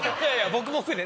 僕も含めて！